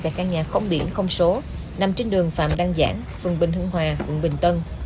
tại căn nhà không biển không số nằm trên đường phạm đăng giảng phường bình hưng hòa quận bình tân